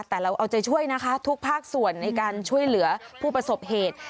แต่เราเอาใจช่วยนะคะทุกภาคส่วนในการช่วยเหลือผู้ประสบเหตุ